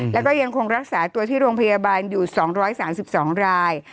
แล้วก็ยังคงรักษาตัวที่โรงพยาบาลอยู่๒๓๒ราย